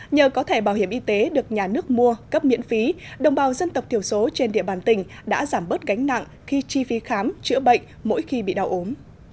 nhờ có thẻ bảo hiểm y tế được nhà nước mua cấp miễn phí đồng bào dân tộc thiểu số trên địa bàn tỉnh đã giảm bớt gánh nặng khi chi phí khám chữa bệnh mỗi khi bị đau ốm